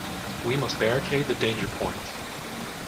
We must barricade the danger points.